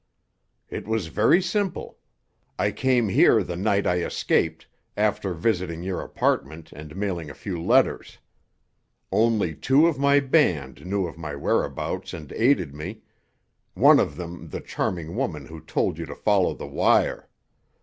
"It was very simple. I came here the night I escaped, after visiting your apartment and mailing a few letters. Only two of my band knew of my whereabouts and aided me—one of them the charming woman who told you to follow the wire.